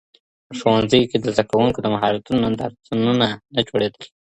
په ښوونځیو کي د زده کوونکو د مهارتونو نندارتونونه نه جوړېدل.